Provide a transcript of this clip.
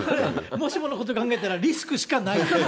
もしものこと考えたら、リスクしかないっていう。